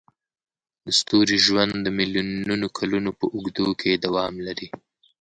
د ستوري ژوند د میلیونونو کلونو په اوږدو کې دوام لري.